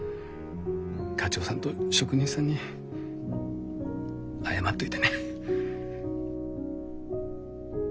課長さんと職人さんに謝っといてね。